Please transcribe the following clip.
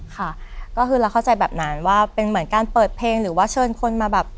ค่ะก็คือเราเข้าใจแบบนั้นว่าเป็นเหมือนการเปิดเพลงหรือว่าเชิญคนมาแบบ